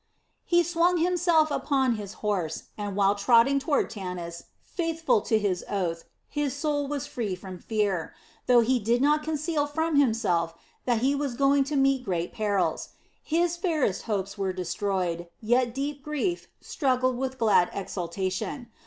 He swung himself upon his horse and while trotting toward Tanis, faithful to his oath, his soul was free from fear, though he did not conceal from himself that he was going to meet great perils. His fairest hopes were destroyed, yet deep grief struggled with glad exaltation.